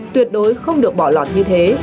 tuyệt đối không được bỏ lọt như thế